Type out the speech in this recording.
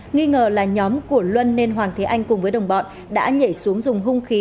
nghi ngờ là nhóm của luân nên hoàng thế anh cùng với đồng bọn đã nhảy xuống dùng hung khí